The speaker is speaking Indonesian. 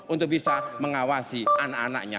untuk bisa mengawasi anak anaknya